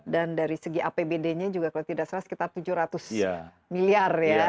dan dari segi apbd nya juga kalau tidak salah sekitar tujuh ratus miliar ya